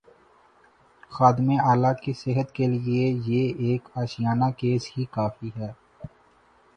خادم اعلی کی صحت کیلئے یہ ایک آشیانہ کیس ہی کافی ہے۔